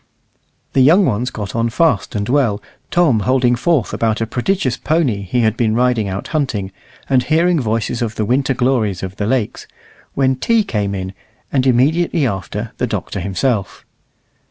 The young ones got on fast and well, Tom holding forth about a prodigious pony he had been riding out hunting, and hearing stories of the winter glories of the lakes, when tea came in, and immediately after the Doctor himself.